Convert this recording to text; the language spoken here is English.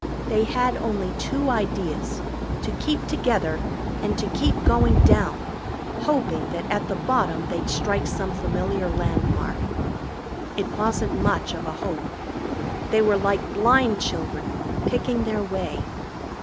They had only two ideas to keep together and to keep going down, hoping that at the bottom they'd strike some familiar landmark. It wasn't much of a hope. They were like blind children, picking their way.